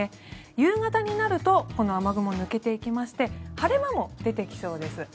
夕方になると、この雨雲抜けていきまして晴れ間も出てきそうです。